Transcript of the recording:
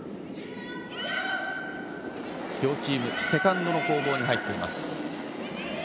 両チームセカンドの攻防に入っています。